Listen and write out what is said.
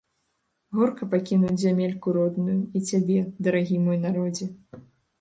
Горка пакінуць зямельку родную і цябе, дарагі мой народзе.